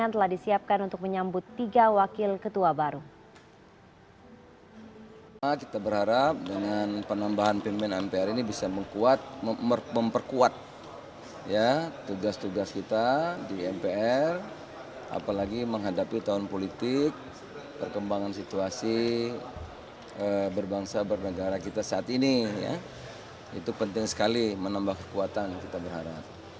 fasilitas dan ruangan telah disiapkan untuk menyambut tiga wakil ketua baru